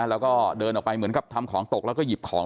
แล้วก็เดินออกไปเหมือนกับทำของตกแล้วก็หยิบของ